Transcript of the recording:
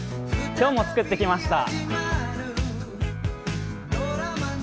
今日も作ってきました。